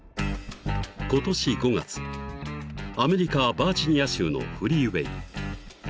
［アメリカバージニア州のフリーウェイ］